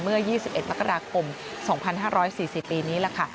เมื่อ๒๑มกราคม๒๕๔๐ปีนี้ล่ะค่ะ